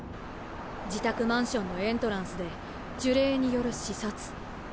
自宅マンションのエントランスで呪霊による刺殺。